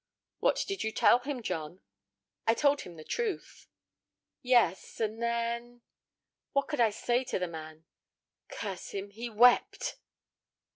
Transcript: "What did you tell him, John?" "I told him the truth." "Yes; and then—" "What could I say to the man? Curse him, he wept!"